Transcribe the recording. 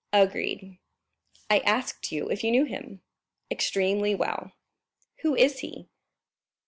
"Agreed." "I asked you if you knew him?" "Extremely well." "Who is he?"